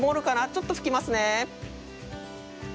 ちょっと拭きますね。